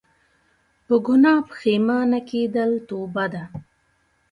په ګناه پښیمانه کيدل توبه ده